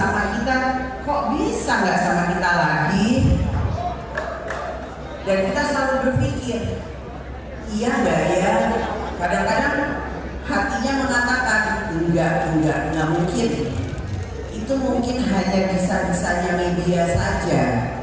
tidak tidak tidak mungkin itu mungkin hanya kisah kisahnya media saja